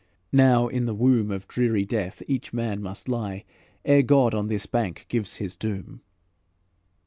Now in the womb Of dreary death each man must lie, Ere God on this bank gives his doom."